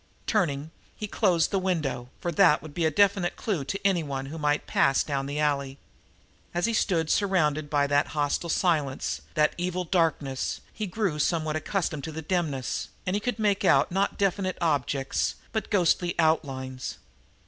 Turning, he closed the window, for that would be a definite clue to any one who might pass down the alley. As he stood surrounded by that hostile silence, that evil darkness, he grew somewhat accustomed to the dimness, and he could make out not definite objects, but ghostly outlines.